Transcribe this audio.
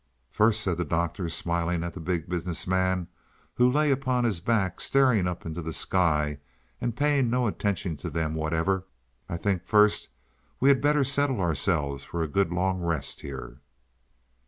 "First," said the Doctor, smiling at the Big Business Man, who lay upon his back staring up into the sky and paying no attention to them whatever, "I think first we had better settle ourselves for a good long rest here."